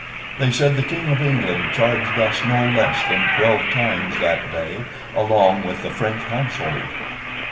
They said the King of England charged us no less than twelve times that day, along with the French Household.